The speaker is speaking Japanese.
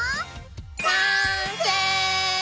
完成！